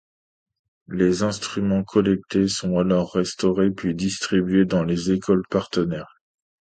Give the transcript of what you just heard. Les instruments collectés sont alors restaurés puis distribués dans les écoles partenaires.